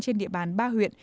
trên địa bàn ba huyện